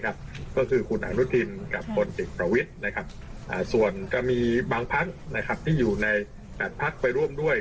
ก็คือคุณอนุทินกับคนเอกประวิทย์ส่วนจะมีบางพักที่อยู่ใน๘พักไปร่วมด้วย